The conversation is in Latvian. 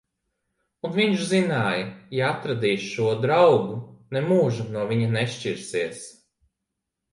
Un viņš zināja: ja atradīs šo draugu, nemūžam no viņa nešķirsies.